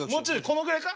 このぐらいか？